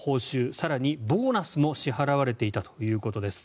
更にボーナスも支払われていたということです。